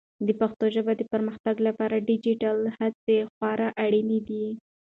د پښتو ژبې د پرمختګ لپاره ډیجیټلي هڅې خورا اړینې دي.